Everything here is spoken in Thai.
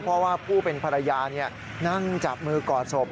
เพราะว่าผู้เป็นภรรยานั่งจับมือกอดศพ